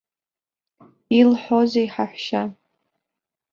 Илҳәозеи ҳаҳәшьа.